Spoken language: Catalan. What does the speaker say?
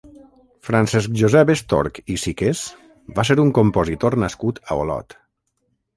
Francesc Josep Estorch i Siqués va ser un compositor nascut a Olot.